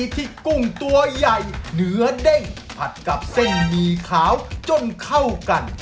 กุ้งตัวใหญ่เนื้อเด้งผัดกับเส้นหมี่ขาวจนเข้ากัน